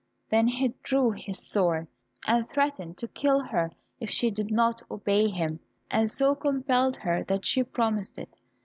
Then he drew his sword, and threatened to kill her if she did not obey him, and so compelled her that she promised it.